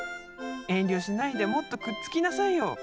遠慮しないでもっとくっつきなさいよ。